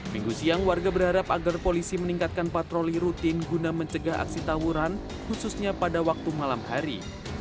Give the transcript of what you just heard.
minggu siang warga berharap agar polisi meningkatkan patroli rutin guna mencegah aksi tawuran khususnya pada waktu malam hari